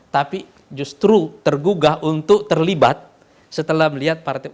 tapi justru tergugah untuk terlibat setelah melihat partai politik